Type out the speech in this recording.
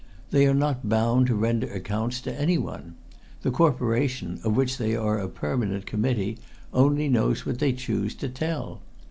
They are not bound to render accounts to anyone; the Corporation, of which they are a permanent committee, only know what they choose to tell.